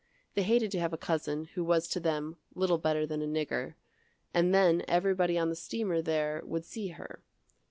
They hated to have a cousin, who was to them, little better than a nigger, and then everybody on the steamer there would see her.